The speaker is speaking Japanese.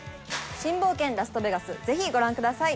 新冒険ラストベガス、ぜひご覧ください。